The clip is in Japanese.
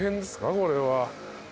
これは。